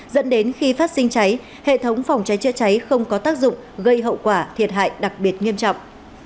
dẫn đến khi phát sinh cháy hệ thống phòng cháy chữa cháy không có tác dụng gây hậu quả thiệt hại đặc biệt nghiêm trọng